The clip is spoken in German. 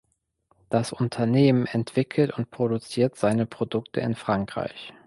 Das Unternehmen entwickelt und produziert seine Produkte in Frankreich.